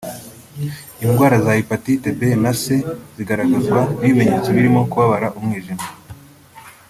Indwara za Hepatite B na C zigaragazwa n’ibimenyetso birimo kubabara umwijima